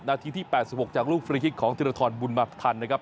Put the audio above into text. นาทีที่๘๖จากลูกฟรีคิกของธิรทรบุญมาทันนะครับ